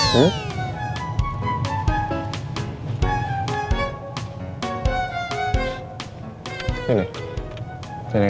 mu memang sendiri